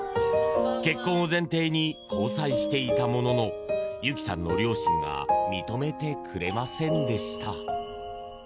結婚を前提に交際していたものの由紀さんの両親が認めてくれませんでした。